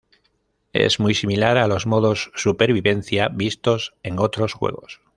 Es muy similar a los modos "Supervivencia" vistos en otros juegos.